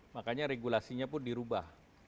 makanya regulasinya pun dirubah